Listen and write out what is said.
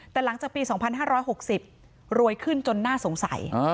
แต่หลังจากปีสองพันห้าร้อยหกสิบรวยขึ้นจนน่าสงสัย